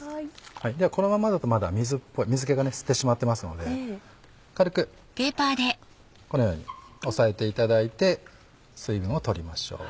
このままだとまだ水気が吸ってしまってますので軽くこのように押さえていただいて水分を取りましょう。